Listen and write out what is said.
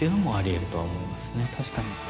確かに。